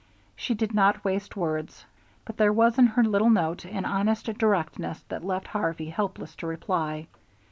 She did not waste words, but there was in her little note an honest directness that left Harvey helpless to reply.